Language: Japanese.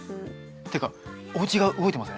っていうかおうちが動いてません？